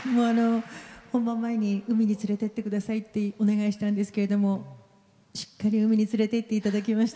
本番前に海に連れてってくださいってお願いしたんですけれどもしっかり海に連れて行っていただきました。